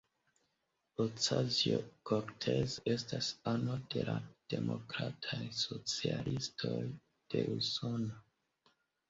Ocasio-Cortez estas ano de la Demokrataj Socialistoj de Usono.